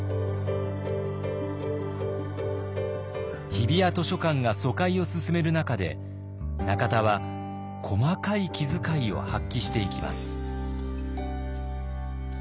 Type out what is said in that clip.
日比谷図書館が疎開を進める中で中田は細かい気づかいを発揮していきます。